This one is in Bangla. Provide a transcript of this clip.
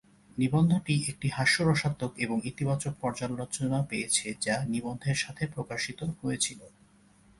নিবন্ধটি একটি হাস্যরসাত্মক এবং ইতিবাচক পর্যালোচনা পেয়েছে যা নিবন্ধের সাথে প্রকাশিত হয়েছিল।